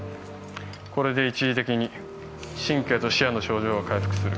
これで一時的に神経と視野の症状が回復する